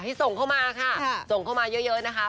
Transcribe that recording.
ส่งเข้ามาค่ะส่งเข้ามาเยอะนะคะ